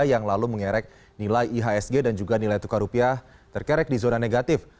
yang lalu mengerek nilai ihsg dan juga nilai tukar rupiah terkerek di zona negatif